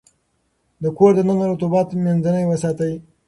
د کور دننه رطوبت منځنی وساتئ.